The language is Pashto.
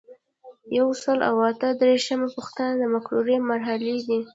یو سل او اته دیرشمه پوښتنه د مقررې مرحلې دي.